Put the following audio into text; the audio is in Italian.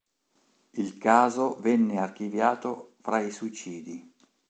Il caso venne archiviato fra i suicidi.